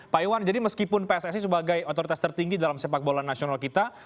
pak iwan jadi meskipun pssi sebagai otoritas tertinggi dalam sepak bola nasional kita